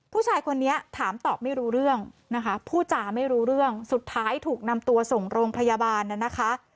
ผู้ชายคนนี้ถามตอบไม่รู้เรื่องนะคะพูดจาไม่รู้เรื่องสุดท้ายถูกนำตัวส่งโรงพยาบาลน่ะนะคะ